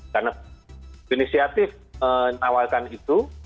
karena inisiatif menawarkan itu